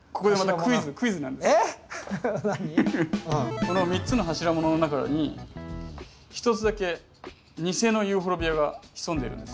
この３つの柱物の中に一つだけ偽のユーフォルビアが潜んでいるんです。